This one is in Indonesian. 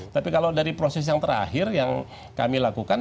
tapi kalau dari proses yang terakhir yang kami lakukan